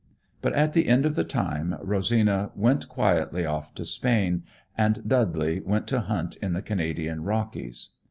But at the end of the time, Rosina went quietly off to Spain, and Dudley went to hunt in the Canadian Rockies.